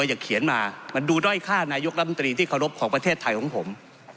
อย่าเขียนมามันดูด้อยค่านายกรัฐมนตรีที่เคารพของประเทศไทยของผม